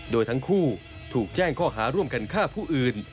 โดยทั้งคู่ถูกแจ้งข้อหาร่วมกันฆ่าผู้อื่น